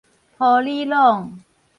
鋪李攏